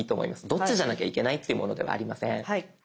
どっちじゃなきゃいけないってものではありません。